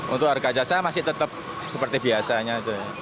untuk harga jasa masih tetap seperti biasanya